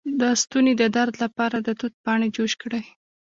د ستوني د درد لپاره د توت پاڼې جوش کړئ